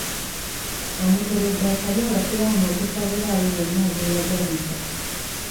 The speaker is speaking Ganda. Omuteregga asabye abasiraamu okusabira abo bonna abeeyagaliza